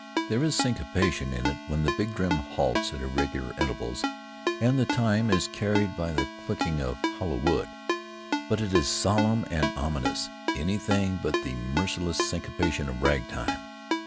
There is syncopation in it when the big drum halts at irregular intervals, and the time is carried by the clicking of hollow wood; but it is solemn and ominous — anything but the meretricious syncopation of ragtime.